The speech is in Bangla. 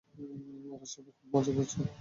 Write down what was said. ওরা সবাই খুব মজা করছে।